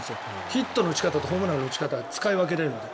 ヒットの打ち方とホームランの打ち方を使い分けられるので。